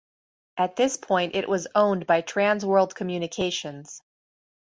At this point it was owned by Trans World Communications.